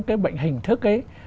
cái bệnh hình thức ấy